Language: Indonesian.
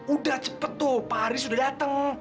udah cepet tuh pak ari sudah datang